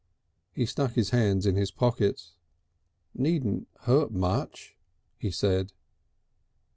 He stuck his hands in his pockets. "Needn't hurt much," he said.